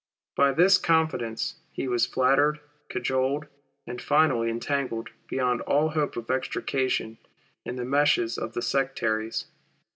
By this confidence he was flattered, cajoled, and finally entangled beyond the hope of extrication in the meshes of the sectaries.